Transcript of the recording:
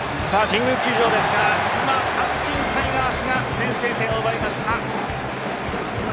神宮球場ですが今、阪神タイガースが先制点を奪いました。